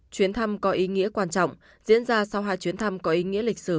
chuyến thăm có ý nghĩa quan trọng diễn ra sau hai chuyến thăm có ý nghĩa lịch sử